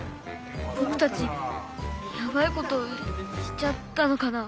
ぼくたちヤバいことしちゃったのかな。